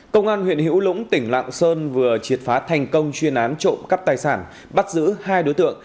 công an huyện hữu lũng tỉnh lạng sơn vừa triệt phá thành công chuyên án trộm cắp tài sản bắt giữ hai đối tượng